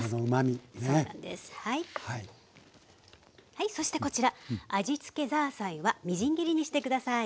はいそしてこちら味つきザーサイはみじん切りにして下さい。